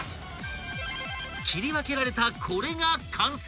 ［切り分けられたこれが完成品］